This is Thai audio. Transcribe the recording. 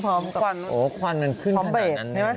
โอ้ควันมันขึ้นขนาดนั้น